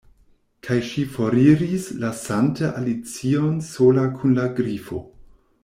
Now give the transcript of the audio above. Kaj ŝi foriris lasante Alicion sola kun la Grifo.